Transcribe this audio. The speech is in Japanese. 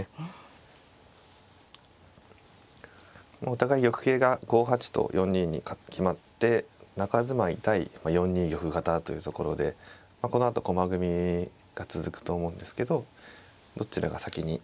お互い玉形が５八と４二に決まって中住まい対４二玉型というところでこのあと駒組みが続くと思うんですけどどちらが先に。